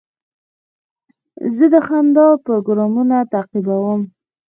زه د خندا پروګرامونه تعقیبوم.